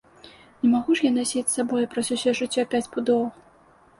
Не магу ж я насіць з сабою праз усё жыццё пяць пудоў!